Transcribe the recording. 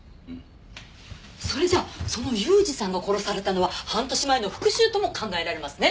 それじゃあその裕二さんが殺されたのは半年前の復讐とも考えられますね。